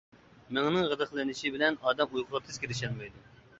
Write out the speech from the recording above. مىڭىنىڭ غىدىقلىنىشى بىلەن ئادەم ئۇيقۇغا تېز كىرىشەلمەيدۇ.